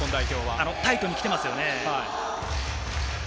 タイトに来てますよね。